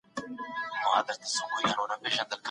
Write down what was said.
خلګو وویل چي ړوند ډاکټر په ګڼ ځای کي اوږده کیسه وکړه.